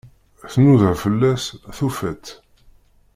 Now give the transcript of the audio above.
Tnuda fell-as, tufa-tt.